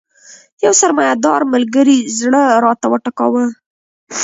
یو سرمایه دار ملګري زړه راته وټکاوه.